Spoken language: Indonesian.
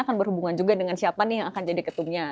akan berhubungan juga dengan siapa nih yang akan jadi ketumnya